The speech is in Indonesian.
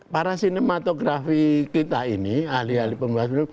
para sinematografi kita ini ahli ahli pembahasan film memang bisa liat film yang sama